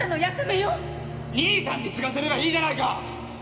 兄さんに継がせればいいじゃないか！